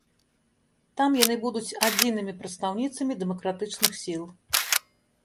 Там яны будуць адзінымі прадстаўніцамі дэмакратычных сіл.